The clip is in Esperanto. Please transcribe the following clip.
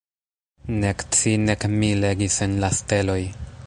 Nek ci nek mi legis en la steloj.